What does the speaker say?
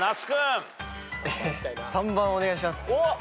３番お願いします。